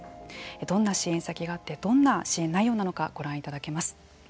どんな支援先があってどんな支援内容なのかご覧いただけます。